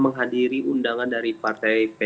menghadiri undangan dari partai p tiga